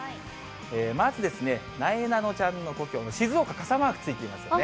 まずですね、なえなのちゃんの故郷の静岡、傘マークついてますね。